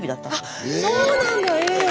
あっそうなんだえ！